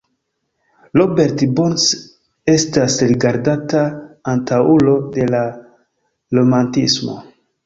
Robert Burns estas rigardata antaŭulo de la romantismo.